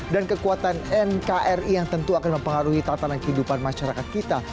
dan kekuatan nkri yang tentu akan mempengaruhi tata dan kehidupan masyarakat kita